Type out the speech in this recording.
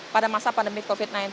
pada masa pandemi covid sembilan belas